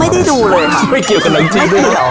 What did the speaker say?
ไม่ได้ดูเลยค่ะไม่เกี่ยวกับหนังจีนด้วยหรอไม่ดูแล้ว